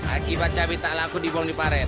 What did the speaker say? akibat cabai tak laku dibong diparet